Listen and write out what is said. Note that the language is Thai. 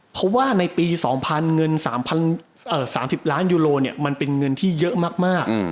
เพราะว่าในปี๒๐๐เงิน๓๐ล้านยูโรมันเป็นเงินที่เยอะมาก